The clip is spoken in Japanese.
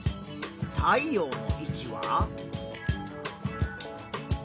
太陽の位置は？